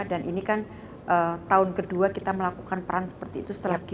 dan ini kan tahun kedua kita melakukan peran seperti itu setelah g dua puluh